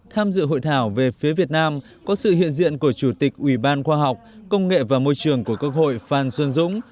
tham dự hội thảo về phía việt nam có sự hiện diện của chủ tịch ủy ban khoa học công nghệ và môi trường của quốc hội phan xuân dũng